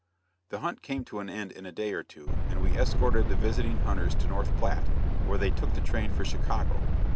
The hunt came to an end in a day or two, and we escorted the visiting hunters to North Platte, where they took the train for Chicago.